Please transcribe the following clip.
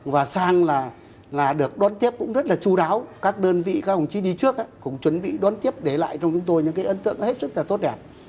và sang là được đón tiếp cũng rất là chú đáo các đơn vị các đồng chí đi trước cũng chuẩn bị đón tiếp để lại trong chúng tôi những cái ấn tượng hết sức là tốt đẹp